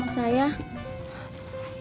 kenapa kau cari gini tuh bu